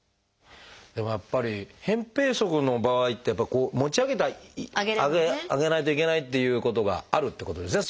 でもやっぱり扁平足の場合って持ち上げてあげないといけないっていうことがあるってことですね。